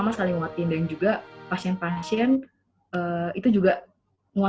menjagaemi cotandra suuh